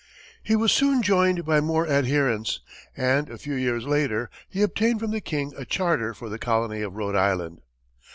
He was soon joined by more adherents, and a few years later, he obtained from the king a charter for the colony of Rhode Island.